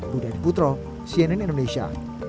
budi adiputro cnn indonesia